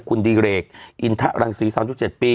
คุณดีเรกอินทะรังศรี๓๗ปี